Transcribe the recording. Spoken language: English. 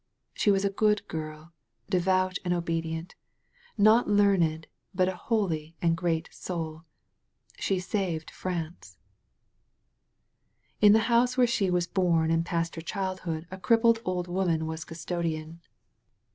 She was a good girl, devout and obedient, not learned, but a holy and great soul. She saved France.*' In the house where she was bom and passed her childhood a crippled old woman was custodian.